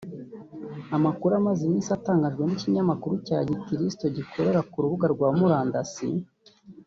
Amakuru amaze iminsi atangajwe n’ ikinyamakuru cya Gikristo gikorera ku rubuga rwa murandasi